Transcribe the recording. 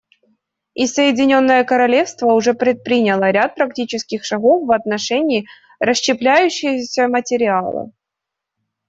И Соединенное Королевство уже предприняло ряд практических шагов в отношении расщепляющегося материала.